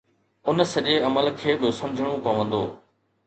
ان سڄي عمل کي به سمجهڻو پوندو